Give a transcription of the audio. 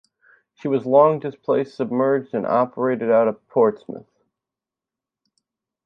She was long, displaced submerged and operated out of Portsmouth.